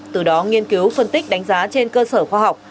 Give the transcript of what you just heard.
từ đó nghiên cứu phân tích đánh giá trên cơ sở khoa học